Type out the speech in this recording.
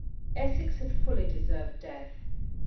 Essex had fully deserved death.